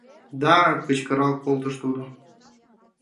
— Да-а! — кычкырал колтыш тудо.